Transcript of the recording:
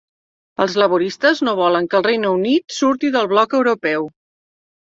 Els laboristes no volen que el Regne Unit surti del bloc europeu.